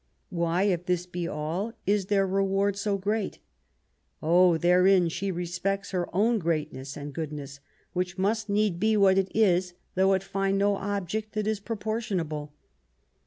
" Why, if this be all, is their reward so great ?"" Oh, therein she respects her own greatness and goodness, which must need be what it is, though it find no object that is proportionable.